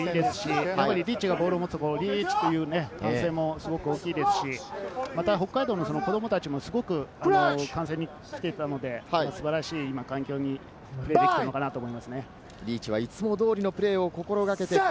雰囲気がすごくいいですし、リーチがボールを持つと、「リーチ！」という歓声もすごく大きいですし、北海道の子供たちもすごく観戦に来ていたので、素晴らしい環境でプレーできてるかなと思います。